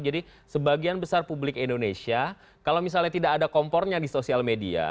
jadi sebagian besar publik indonesia kalau misalnya tidak ada kompornya di sosial media